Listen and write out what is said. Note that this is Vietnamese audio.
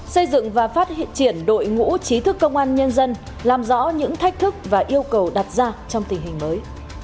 xây dựng và phát triển triển đội ngũ trí thức công an nhân dân làm rõ những thách thức và yêu cầu đặt ra trong tình hình mới